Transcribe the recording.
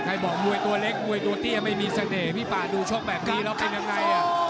บอกมวยตัวเล็กมวยตัวเตี้ยไม่มีเสน่ห์พี่ป่าดูชกแบบนี้แล้วเป็นยังไง